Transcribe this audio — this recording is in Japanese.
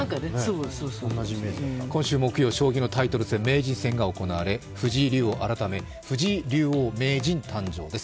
今週木曜、将棋のタイトル戦名人戦が行われ藤井竜王改め藤井竜王・名人誕生です。